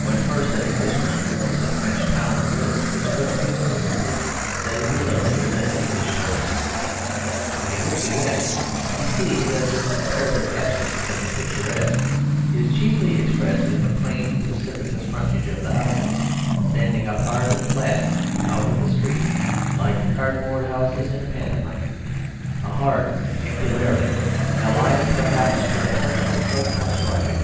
When first an Englishman looks at a French town or village his first feeling is simply that it is uglier than an English town or village; when he looks again he sees that this comparative absence of the picturesque is chiefly expressed in the plain, precipitous frontage of the houses standing up hard and flat out of the street like the cardboard houses in a pantomime a hard angularity allied perhaps to the harshness of French logic.